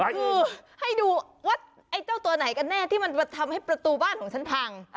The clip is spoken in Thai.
คือให้ดูว่าไอ้เจ้าตัวไหนกันแน่ที่มันทำให้ประตูบ้านของฉันพัง